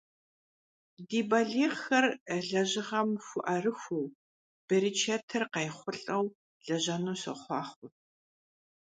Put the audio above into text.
Ди балигъхэр лэжьыгъэм хуэӀэрыхуэу, берычэтыр къайхъулӀэу лэжьэну сохъуахъуэ!